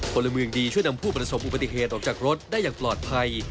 พลเมืองดีช่วยนำผู้ประสบอุบัติเหตุออกจากรถได้อย่างปลอดภัย